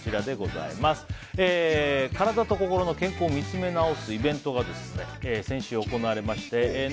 自分の体と心の健康を見つめ直すイベントが先週行われましてＮＯＮＳＴＯＰ！